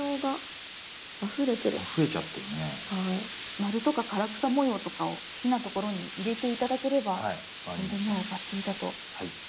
丸とか唐草模様とかを好きなところに入れて頂ければそれでもうばっちりだと。